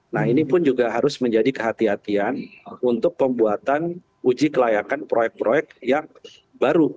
nah ini pun juga harus menjadi kehatian untuk pembuatan uji kelayakan proyek proyek yang baru